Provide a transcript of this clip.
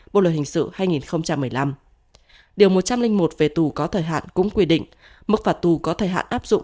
bộ luật hình sự hai nghìn một mươi năm điều một trăm linh một về tù có thời hạn cũng quy định mức phạt tù có thời hạn áp dụng